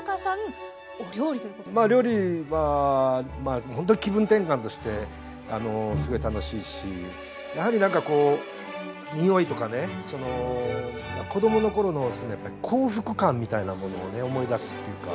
まあ料理はほんとに気分転換としてすごい楽しいしやはり何かこう匂いとかね子供の頃の幸福感みたいなものを思い出すっていうか。